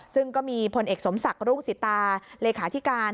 ซึ่งก็มีพลเอกสมศักดิ์รุ่งสิตาเลขาธิการ